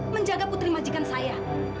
menjaga putri majikan saya